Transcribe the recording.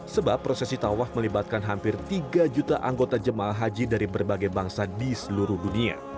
sebab prosesi tawaf melibatkan hampir tiga juta anggota jemaah haji dari berbagai bangsa di seluruh dunia